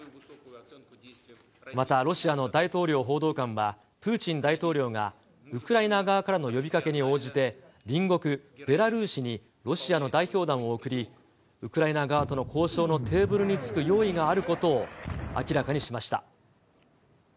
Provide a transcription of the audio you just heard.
また、ロシアの大統領報道官は、プーチン大統領がウクライナ側からの呼びかけに応じて、隣国ベラルーシにロシアの代表団を送り、ウクライナ側との交渉のテーブルにつく用意があることを明らかにしました。